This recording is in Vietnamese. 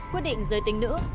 quyết định giới tính nữ